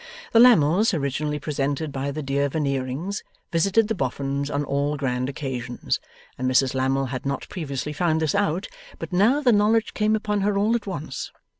The Lammles, originally presented by the dear Veneerings, visited the Boffins on all grand occasions, and Mrs Lammle had not previously found this out; but now the knowledge came upon her all at once.